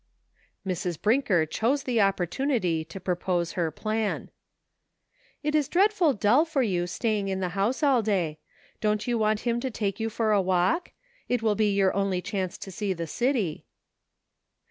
Mrs. Brinker chose the opportunity to propose her plan. 106 NIGHT WORK. "It is dreadful dull for you staying in the house all day ; don't you want him to take you for a walk? It will be your only chance to see the city."